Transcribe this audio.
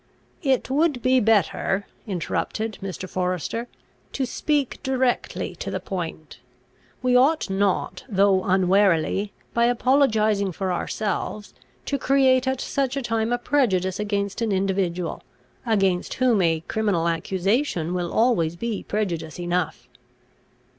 "It would be better," interrupted Mr. Forester "to speak directly to the point. We ought not, though unwarily, by apologising for ourselves, to create at such a time a prejudice against an individual, against whom a criminal accusation will always be prejudice enough."